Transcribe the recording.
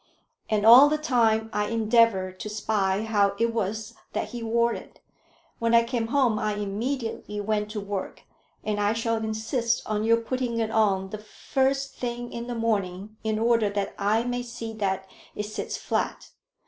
And all the time I endeavoured to spy how it was that he wore it. When I came home I immediately went to work, and I shall insist on your putting it on the first thing in the morning, in order that I may see that it sits flat.